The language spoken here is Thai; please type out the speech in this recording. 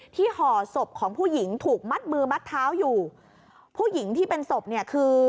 ห่อศพของผู้หญิงถูกมัดมือมัดเท้าอยู่ผู้หญิงที่เป็นศพเนี่ยคือ